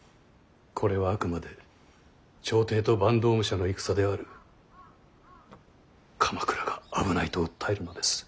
これはあくまで朝廷と坂東武者の戦である鎌倉が危ないと訴えるのです。